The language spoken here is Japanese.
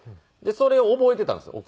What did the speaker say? それを覚えていたんですよ